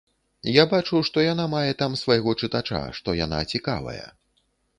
Я бачу, што яна мае там свайго чытача, што яна цікавая.